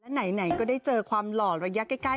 ไหนก็ได้เจอความหล่อระยะใกล้